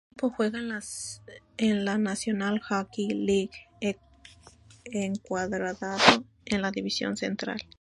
El equipo juega en la National Hockey League encuadrado en la División Central.